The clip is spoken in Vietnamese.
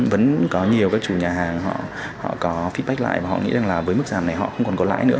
vẫn có nhiều các chủ nhà hàng họ có filbac lại và họ nghĩ rằng là với mức giảm này họ không còn có lãi nữa